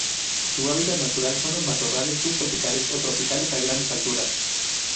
Su hábitat natural son los matorrales subtropicales o tropicales a grandes alturas.